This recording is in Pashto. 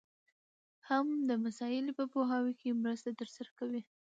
هم د مسألې په پوهاوي کي مرسته درسره کوي.